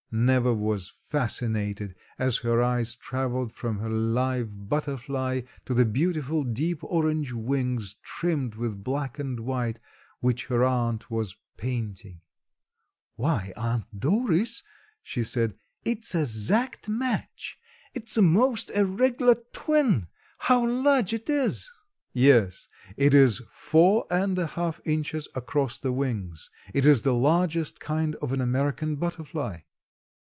Neva was fascinated as her eyes traveled from her live butterfly to the beautiful deep orange wings trimmed with black and white which her aunt was painting. "Why Aunt Doris," she said, "It's a zact match, it's 'most a reg'lar twin. How large it is!" "Yes, it is four and a half inches across the wings. It is the largest kind of an American butterfly."